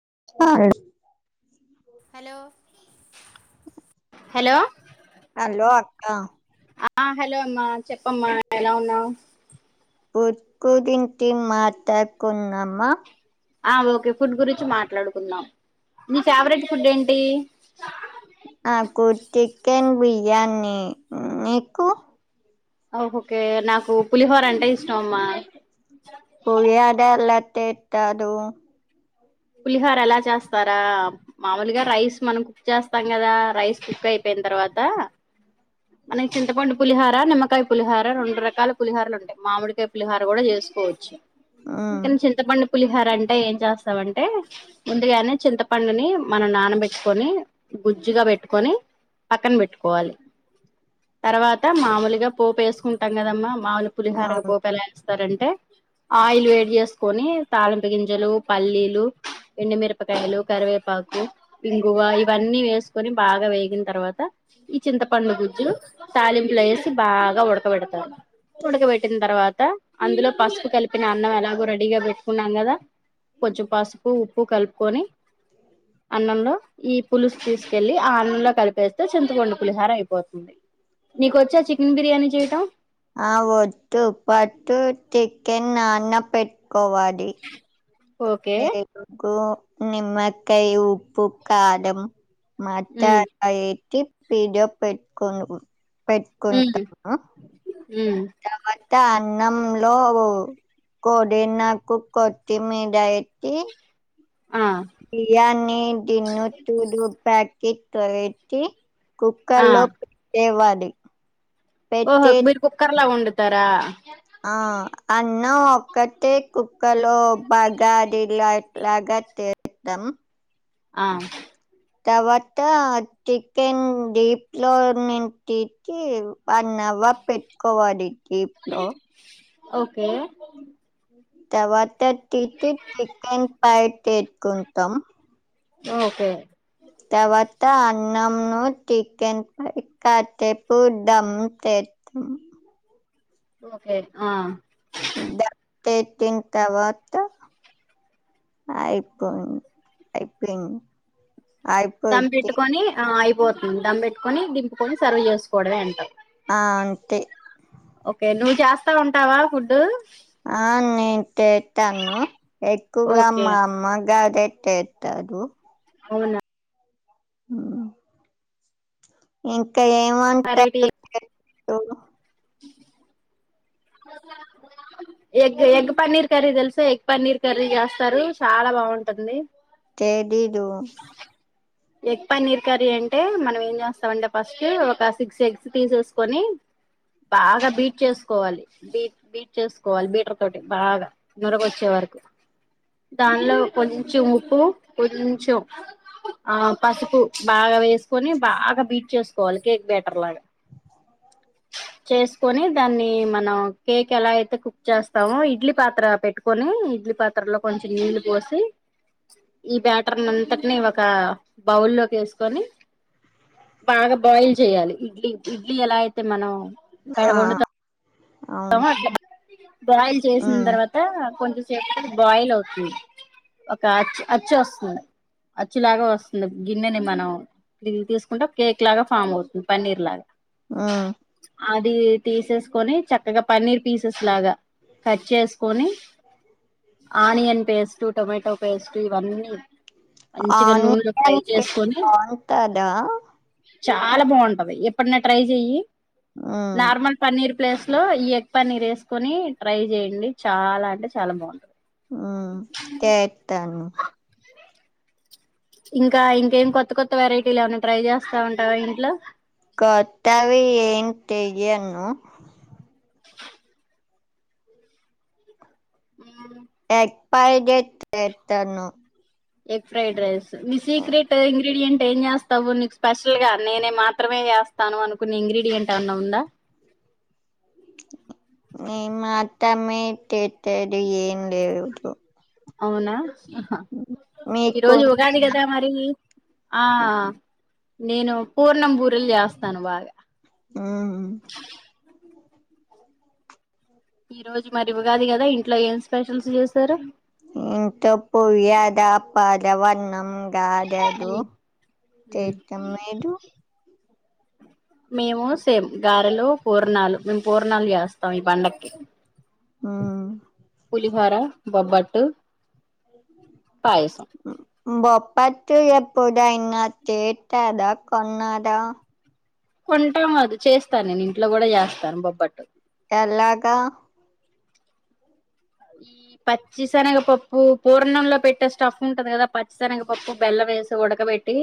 [unintelligible] Hello ఆ ఆ hello అమ్మా చెప్పమ్మా ఎలా ఉన్నావ్ పుట్ గురింటి మాతాద్ కున్నామా ఆ ఓకే ఫుడ్ గురించి మాట్లాడుకుందాం నీ ఫేవరెట్ ఫుడ్ ఏంటి నాకు చికెన్ బియ్యాన్నీ నీకు ఆహ్ ఓకే నాకు పులిహోర అంటే ఇష్టం అమ్మా పుహాదెల తేత్తాదు పులిహార ఎలా చేస్తారా మామలుగా రైస్ మనం కుక్ చేస్తాం కదా రైస్ కుక్ అయిపోయిన తర్వాత మనకి చింతపండు పులిహార, నిమ్మకాయ పులిహార రెండు రకాల పులిహారలు ఉంటాయి. మామిడికాయ పులిహార కూడా చేసుకోవచ్చు. మ్మ్ ఇంకన్ చింత పండు పులిహార అంటే ఏం చేస్తామం టే ముందుగానే చింతపండుని మనం నానబెట్టుకొని గుజ్జుగా పెట్టుకొని పక్కన పెట్టుకోవాలి, తర్వాత మామలుగా పోపు వేసుకుంటాం కదమ్మా. మాముూలు పులిహార కు అవును పోపు ఎలా వేస్ తరంటే ఆయిల్ వేడి చేసుకొని తాలింపు గింజలు పల్లీలు ఎండిమిరపకాయలు, కరివేపాకు, ఇంగువ ఇవన్నీ వేసుకొని బాగా వేగిన తర్వాత్ త ఈ చింత పండు గు తాలింపులో వేసి బాగా ఉడకబెడతారు. ఉడకబెట్టిన తర్వాత అందులో పసుపు కలిపిన అన్నం ఎలాగో రెడీగా పెట్టుకున్నాం కదా, కొంచెం పసుప్ పు ఉప్పు కలుపుకొని, అన్నంలో ఈ పులుసు తీసుకెళ్ళి అన్నంలో కలిపేస్తే చింతపండు పులిహార అయిపోతుంది, నీకొచ్చా చికెన్ బిర్యానీ చేయటం ఆ వద్దు పట్టు టికెన్ నాన్న పెట్ కోవాడి ఓకే మేన్ కూ. నిమ్మకాయ ఉప్ ప్పు కారం మట్ట ఉమ్ ఆ ఎక్కి. పీడియో పెట్కుందువు పెట్టుకుంటా ఆ హ్మ్. తా అన్నం లో ఓ. కోడి నా కు కో త్తిమీద ఎక్కి ఆ బిర్యానీ తిన్నో తుదు ప్యాకెట్. ట పెట్టి. ఆ కుక్కర్ లో పెట్టె వాద్ డి. ఓహో మీరు కుక్కర్లా వండు తరా. ఆ అన్నం ఒక్కటే కుక్కర్ లో పగడి లో లాగా తే క త్తం. ఆ తర్వాత చికెన్ డీప్ లో నిన్ తీ టి వన్ అవార్ పెట్టుకోవాలి. ఈ ప్లో. ఓకే. తవాత్ టి టీ చికెన్ పైట్. టేత్ కుంటం ఓకే తర్వాత అన్నంను చికెన్ ప కట్టేపోడం తెద్దం ఓకే ఆ తే తింటావా అత్త అయిపోయి అయిపోయిన్ దమ్ పెట్టుకొని ఆ అయి పోతుంది దమ్బట్టుకొని దింపుకొని సర్వ్ చేసుకోవడమే అంత అ అంతే ఓకే నువ్ చేస్తా ఉంటావా ఫుడ్ నేన్ చేస్తాను ఎక్కువగా ఓకే మా అమ్మగారి చెతేత్తారు అవునా ఉ ఇం ఇంకా వెరైటీ ఏమంటారు ఓ ఎగ్ ఎగ్ పన్నీర్ కర్రీ తెలుసా ఎగ్ పన్నీర్ కర్రీ చేస్తారు చాలా బాగుంటుంది తే తేలీదు ఎగ్ పన్నీర్ కర్రీ అంటే మనం ఏం చేస్తామంటే ఫస్ట్ ఒక సిక్స్ ఎగ్స్ తీసేసుకొని బాగా బీట్ చేసుకోవాలి బీట్ బీట్ చేసుకోవాలి బీటర్ తోటి బాగా నురగొచ్చే వరకు దానిలో కొంచెం ఉప్పు కొం చెం ఆ పసుపు బాగా వేసుకొని బాగా బీట్ చేసుకోవాలి కేక్ బ్యాటర్ లాగా చేసుకొని దాన్ని మనం కేక్ ఎలా అయితే కుక్ చేస్తామో ఇడ్లీ పాత్ర పెట్టుకొని ఇడ్లీ పాత్రలో కొంచెం నీళ్ళు పోసి ఈ బ్యాట్ అంతటిని ఒక బౌల్ లోకి వేసుకొని బాగా బాయిల్ చేయాలి ఇడ్లీ ఇడ్లీ ఎలా అయితే మనం ఆ వండుతామో అవును అట్లా బాయిల్ చేసిన మ్మ్ తర్వాత కొంచెం చెపు బాయిల్ అవుతుంది ఒక అచ్చు అచ్చు వస్తుంది అచ్చు లాగా వస్తుంది గిన్నెని మనం తీసుకుంటే కేక్ లాగా ఫామ్ అవుతుంది పన్నీర్ లాగా ఆ అది తీసేసుకొని చక్ క్కగా పన్నీర్ పీసెస్ లాగా కట్ చేసుకొని ఆనియన్ పేస్ట్ టొమాటో పేస్టు ఇవన్నీ మంచిగా నూనెలో ఫ్రై అనియన్ పేస్ట్ చేసుకొని బాగుంటదా చాలా బాగుంటది ఎప్పుడనా ట్రై చెయ్ మ్మ్ నార్మల్ పన్నీర్ ప్లేస్ లో ఈ ఎగ్ పన్నీర్ వేసుకొని ట్రై చేయండి చాలా అంటే చాలా బాగుంటుంది ఉ చేత్తను ఇంకా ఇంకేం కొత్త కొత్త వెరైటీలు ఏమన్నా ట్రై చేస్తా ఉంటావా ఇంట్లో కొత్తవి ఏన్ చేయను ఉ ఎగ్ ఫ్రైడ్ రైస్ చేత్తను ఎగ్ ఫ్రైడ్ రైస్ మీ సీక్రెట్ ఇంగ్రీడియంట్ ఏం చేస్తావు నీకు స్పెషల్ గా నేనే మాత్రమే ఏస్తాను అనుకున్న ఇంగ్రీడియంట్ ఏన్నా ఉందా నేను మాత్రామే చేసేది ఏం లేదు అవునా అ హా ఈ రోజు మీకున్న ఉగాది కదా మరి ఆ నేను పూర్ణం బూరెలు చేస్తాను బాగా ఆహు ఈ రోజు మరి ఉగాది కదా ఇంట్లో ఏం స్పెషల్స్ చేసారు ఇంకెవర్ని నమ్మం దాదాదు తితిమ్మైదు మేము సేమ్ గారెలు, పూర్ పూర్ణాలు మేము పూర్ణాలు చేస్ తం ఈ పండకి ఉహ్ హొర, బొబ్బట్టు పాయసం బొప్పట్ ఎప్పుడు అయినా చేతదా, కొన్నదా కొంటాం అది చేస్తాను. నేను ఇంట్లో కూడా చేస్తాను బొబ్బట్టు. ఎలాగా ఈ పచ్చిశనగపప్పు పూర్ణంలో పెట్టే స్టఫ్ ఉంటది. కదా పచ్చిశనగపప్పు బెల్ల వేసి ఉడకబెట్టి.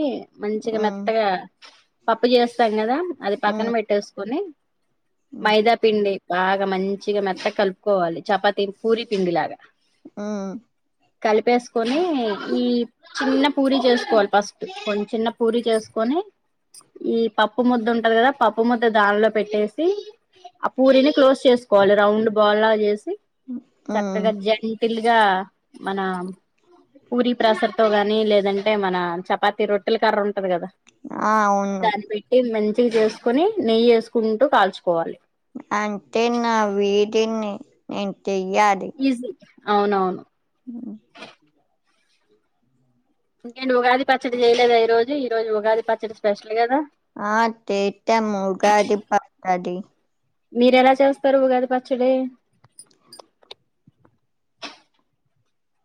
మంచిగా మ్మ్ మెత్తగా పప్పు చేస్తాం కదా. అది పక్కన మ్మ్ పెట్టేసుకొని మ్మ్ మైదాపిండి బాగా మంచిగా మెత్త కలుపుకోవాలి చపాతి పూరి పిండిలాగా ఆహ్ కలిపేసుకొని ఈ చిన్న పూరి చేసుకోవాలి ఫస్ట్ కొం చిన్న పూరి చేసుకొని. ఈ పప్పు ముద్ద ఉంటది కదా. పప్పు ముద్ద దానిలో పెట్టేసి ఆ పూరిని క్లోజ్ చేసుకోవాలి రౌండ్ బోల్ చేసి మ్మ్ చక్కగా జంటిల్ గా మన పూరి ప్రసర్ తో గాని. లేదంటే మన చపాతి రొట్టెల కర్ర ఉంటది కదా. ఆ అవును దాన్ని పెట్టి మంచిగ్ చేసుకొని నెయ్యి వేసుకుంటూ కాల్చుకోవాలి అంతే నా వీడిని నే చెయ్యది ఈజీ అవునవును అహ్ ఇంకేను ఉగాది పచ్చడి చేయలేదా. ఈ రోజు ఈ రోజు ఉగాది పచ్చడి స్పెషల్ కదా ఆహ్ తెతం ఉగాది పత్తడి మీరెలా చేస్తారు ఉగాది పచ్చడి.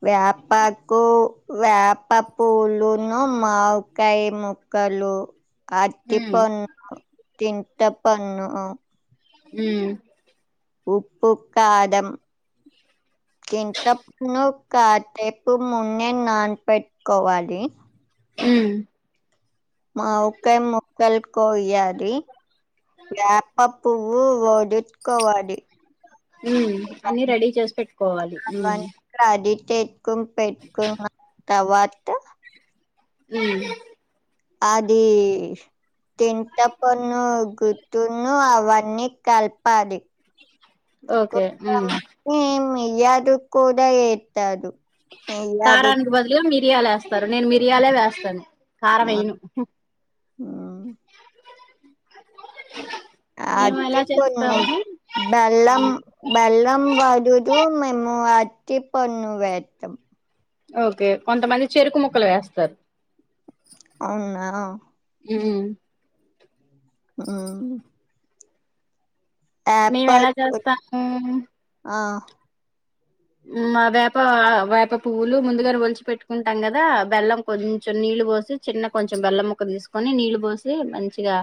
వేపకు, వేప పూలును, మావికాయ ముక్కలు ఉమ్ అటిపన్ను చింతపంన్ను ఉహ్ ఉప్పు, కాదం, కింతప్పును కాసేపు మున్నే నానపెట్టుకోవాలి. ఉహ్ మావికా ముక్కలు కోయ్యాలి వాప పువ్వు డిట్ కోవాడి ఉమ్ అన్ని రెడీ చేసి పెట్టుకోవాలి తేకోని పెట్కున్ తవాత ఉమ్ అదీ తింతపన్ను గుత్తును అవన్నీ కల్ పాలి ఓకే ఉమ్ [unintelligible] మీ యాదు క్కూడా ఏత్తాదు కారానికి బదులు మి రియాలు వేస్తారు నేను మిరియాలే వేస్తాను. కారం మన్ వేయను హ్మ్మ్ మేము ఎలా అట్టిపన్ను చేస్తాము బెల్లం బెల్లం వదుదు మేము అ టిపన్ను వేత్తం ఓకే కొంతమంది చెరుకు ముక్కలు వేస్తారు అవునా మ్మ్ హ్మ్ మ్ హ్మ్ మేము ఎలా [unintelligible] చేస్తాము ఆ మా వేప వేప పువ్వులు ముందుగానే ఒలిచి పెట్టుకుంటాం కదా, బెల్లం కొంచెం నీళ్ళు పోసి చిన్న కొంచెం బెల్లం ముక్క తీసుకొని నీళ్ళు బోసి మంచిగా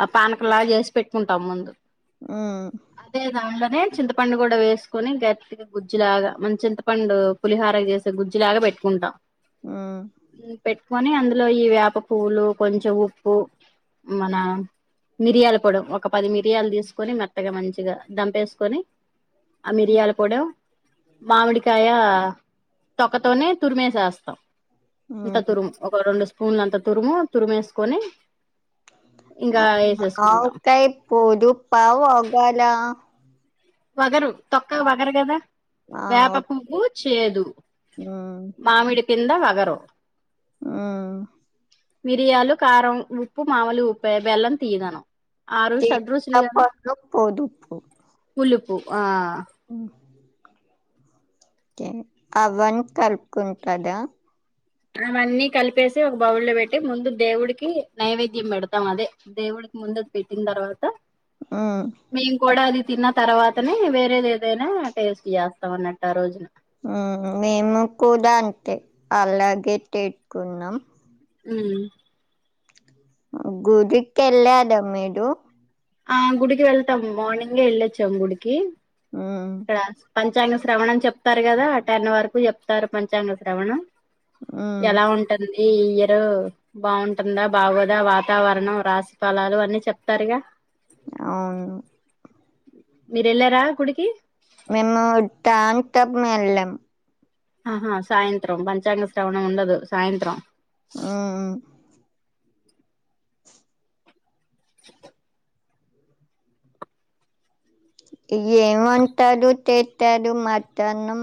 ఆ పానకంలాగ చేసి పెట్టుకుంటాం ముందు. మ్మ్ నేను చింతపండు కూడా వేసుకొని గట్టిగా గుజ్జులాగా మంచింత పండు పులిహార చేసే గుజ్జి లాగా పెట్టుకుంటా మ్మ్ ప్పుకొని అందులో ఈ వేప పూవ్లు కొంచెం ఉప్పు మన మిరియలు పొడం ఒక పది మిరియాలు తీసుకొని మెత్తగా మంచిగా దంపేసుకొని ఆ మిరియాల కూడా మామిడికా యా తొక్కతోనే తురిమేసేస్తాం హ్మ్ ఇంతతురుం ఒక రెండు స్పూన్ల అంతా తురుము తురుమేసుకొని ఆవకాయ పోదు పౌ ఒగాలా వగరు తొక్క వగరు గదా వ్యాప పువ్వు చేదు మామిడి కింద వగరు ఆ మిరియాలు కారం ఉప్పు మాములు ఉప్పే బెల్లం తీయగాను [unintelligible] పోదుపు పులుపు ఆ ే అవన్ని కలుపుకుంటదా అవన్నీ కలిపేసి ఒక బౌల్ల పెట్టి ముందు దేవుడికి నైవేద్యం పెడతాం అదే దేవుడికి ముందు పెట్టిన తర్వాత హ్మ్. మేం కూడా అది తిన్న తర్వాతనే వేరేది ఏదైనా టేస్ట్ చేస్తాం అన్నట్టు ఆ రోజున మేము కూడా అంతే అలాగే టేట్టుకున్నాం ఊ గుడికి ఎళ్లారా మీరు ఆ గుడికి వెళ్తాం మార్నింగే వెళ్ళొచ్చాం గుడికి ఆ ఇక్కడ పంచాంగ శ్రవణం అని చెప్తారు కదా ఆ టెన్ వరకు చెప్తారు పంచాంగ శ్రవణం హ్మ్. ఎలా ఉంటుంది ఈ ఇయర్ బాగుంటుందా బాగోదా వాతావరణం రాసి ఫలాలు అన్ని చెప్తారుగా అవును మీరెళ్లారా గుడికి మేము టాయంత్రం వెళ్ళాం ఆహా సాయంత్రం పంచాంగ శ్రవణం ఉండదు సాయంత్రం ఊ ఊ ఏం వంటలు చేత్తాడు మధ్యాహ్నం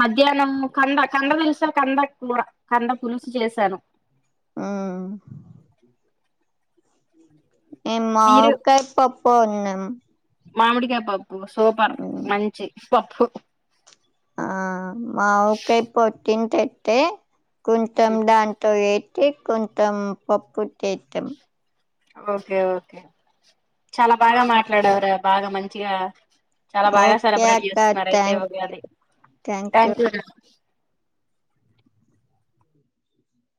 మధ్యాహ్నం కంద కంద తెలుసా కంద కూర కంద పులుసు చేశాను ఊ మేం మీరు మామిక్కాయ్ పప్ పన్నం మామిడికాయపప్ సూపర్ మంచి పప్పు ఆ మామీకాయ్ పొట్టింట టే కొంచెం దాంతో ఏ చేకుంతాం పప్పు చేతాం ఓకే ఓకే చాలా బాగా మాట్లాడవ్ రా బాగా మంచిగా చాలా బాగా ఓకే సెలబ్రేట్ అక్క చేసుకున్నారు అయితే థ్యాంక్ ఉగాది థ్యాంక్ యూ రా